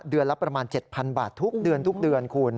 เดือนละประมาณ๗๐๐๐บาททุกเดือนคุณ